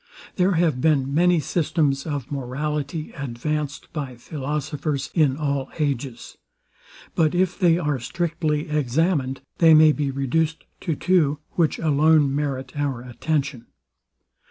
There have been many systems of morality advanced by philosophers in all ages; but if they are strictly examined, they may be reduced to two, which alone merit our attention.